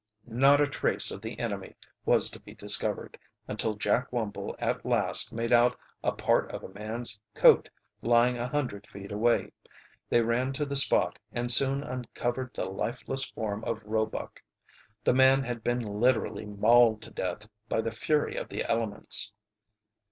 Not a trace of the enemy was to be discovered, until Jack Wumble at last made out a part of a man's coat lying a hundred feet away. They ran to the spot, and soon uncovered the lifeless form of Roebuck. The man had been literally mauled to death by the fury of the elements.